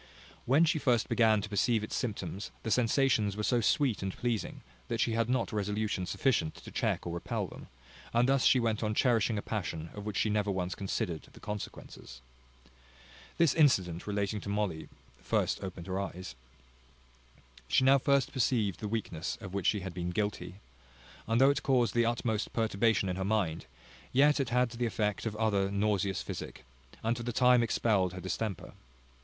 When she first began to perceive its symptoms, the sensations were so sweet and pleasing, that she had not resolution sufficient to check or repel them; and thus she went on cherishing a passion of which she never once considered the consequences. This incident relating to Molly first opened her eyes. She now first perceived the weakness of which she had been guilty; and though it caused the utmost perturbation in her mind, yet it had the effect of other nauseous physic, and for the time expelled her distemper.